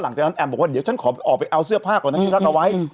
แอมบอกว่าเดี๋ยวฉันขอออกไปเอาเสื้อผ้าก่อนนะที่ซักเอาไว้